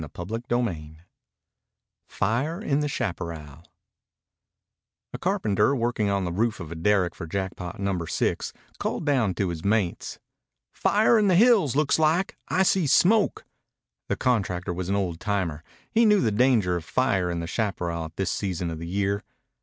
CHAPTER XXXV FIRE IN THE CHAPARRAL A carpenter working on the roof of a derrick for Jackpot Number Six called down to his mates: "Fire in the hills, looks like. I see smoke." The contractor was an old timer. He knew the danger of fire in the chaparral at this season of the year.